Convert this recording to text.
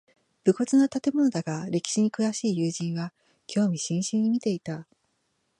無骨な建物だが歴史に詳しい友人は興味津々に見ていた